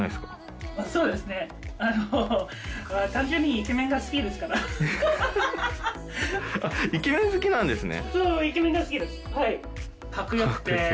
イケメン好きなんですね。